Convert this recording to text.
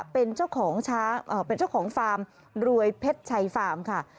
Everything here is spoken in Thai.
เป็นเจ้าของฟาร์มรวยเพชรชัยฟาร์มค่ะ